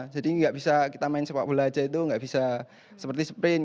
jadi gak bisa kita main sepak bola aja itu gak bisa seperti sprint